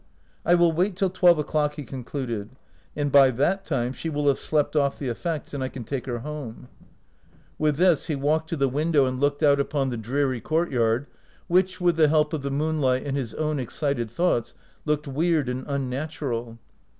" I will wait till twelve o'clock," he con cluded, "and by that time she will have slept off the effects, and I can take her home." With this he walked to the window 164 OUT OF BOHEMIA and looked out upon the dreary courtyard, which, with the help of the moonlight and his own excited thoughts, looked weird and unnatural.